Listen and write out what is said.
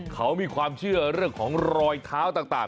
เขามีความเชื่อเรื่องของรอยเท้าต่าง